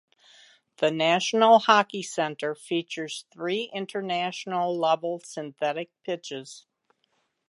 The National Hockey Centre features three international level synthetic pitches.